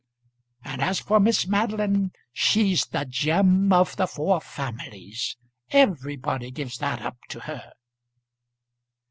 And as for Miss Madeline, she's the gem of the four families. Everybody gives that up to her."